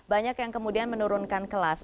banyak yang kemudian menurunkan kelas